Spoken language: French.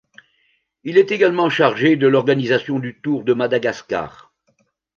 Il est également chargé de l'organisation du Tour de Madagascar.